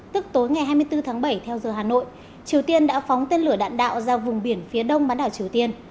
tức tối ngày hai mươi bốn tháng bảy theo giờ hà nội triều tiên đã phóng tên lửa đạn đạo ra vùng biển phía đông bán đảo triều tiên